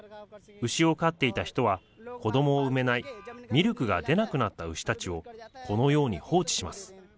牛を飼っていた人は、子どもを産めないミルクが出なくなった牛たちを、このように放置します。